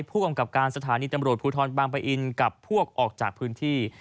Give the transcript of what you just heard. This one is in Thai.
ผู้กำกับการสถานีตำรวจภูทรบางปะอินกับพวกออกจากพื้นที่